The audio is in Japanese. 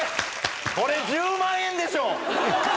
これ１０万円でしょ！